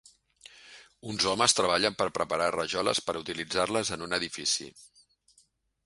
Uns homes treballen per preparar rajoles per utilitzar-les en un edifici.